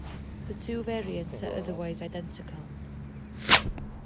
The two variants are otherwise identical.